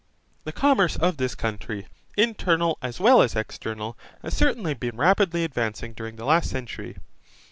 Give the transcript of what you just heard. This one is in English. The commerce of this country, internal as well as external, has certainly been rapidly advancing during the last century.